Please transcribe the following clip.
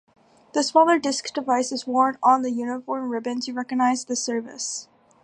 The smaller "disc" device is worn on the uniform ribbon to recognize this service.